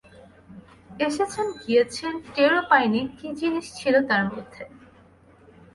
এসেছেন গিয়েছেন, টেরও পাইনি কী জিনিস ছিল তার মধ্যে।